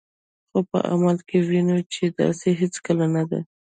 خو په عمل کې وینو چې داسې هیڅکله نه ده.